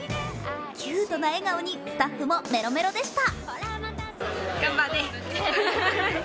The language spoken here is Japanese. キュートな笑顔にスタッフもメロメロでした。